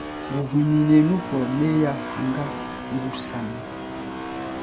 Nguvumineko meya hanga ngusane.